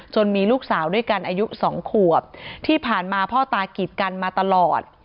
มีลูกสาวด้วยกันอายุ๒ขวบที่ผ่านมาพ่อตากีดกันมาตลอด